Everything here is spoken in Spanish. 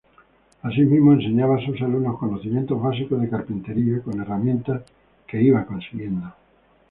Asimismo, enseñaba a sus alumnos conocimientos básicos de carpintería con herramientas que iba consiguiendo.